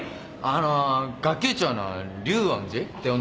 あの学級長の竜恩寺って女の。